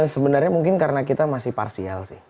sebenarnya mungkin karena kita masih parsial sih